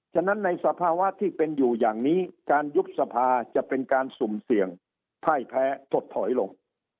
ฉะนั้นในสภาวะที่เป็นอยู่อย่างนี้การยุบสภาจะเป็นการสุ่มเสี่ยงไพ่แพ้ถดถอยลง